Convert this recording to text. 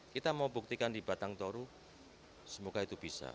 kita mau buktikan di batang toru semoga itu bisa